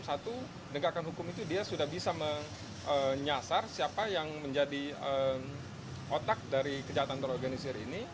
satu penegakan hukum itu dia sudah bisa menyasar siapa yang menjadi otak dari kejahatan terorganisir ini